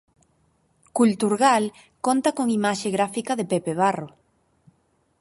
Culturgal conta con imaxe gráfica de Pepe Barro.